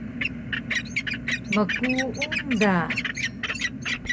Mkuung da